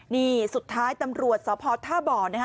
นี่สุดท้ายตำรวจสพท่าบ่อนะฮะ